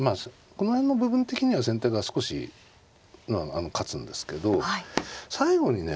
この辺も部分的には先手が少し勝つんですけど最後にね